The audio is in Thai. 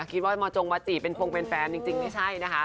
คิดว่ามาจงมาจีเป็นพงเป็นแฟนจริงไม่ใช่นะคะ